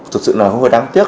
thực sự là hơi đáng tiếc